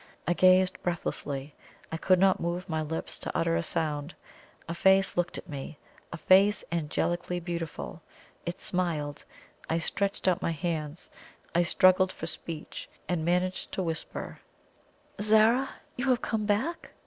I gazed breathlessly; I could not move my lips to utter a sound. A face looked at me a face angelically beautiful! It smiled. I stretched out my hands; I struggled for speech, and managed to whisper: "Zara, Zara! you have come back!"